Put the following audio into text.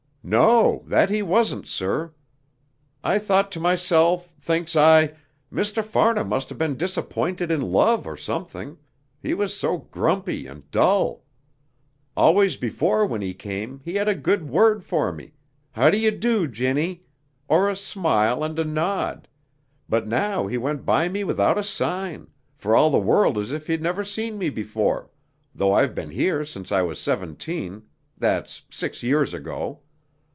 "No, that he wasn't, sir. I thought to myself, thinks I, 'Mr. Farnham must have been disappointed in love or something,' he was so grumpy and dull. Always before when he came he had a good word for me, 'How do you do, Ginnie?' or a smile and a nod, but now he went by me without a sign, for all the world as if he'd never seen me before, though I've been here since I was seventeen; that's six years ago.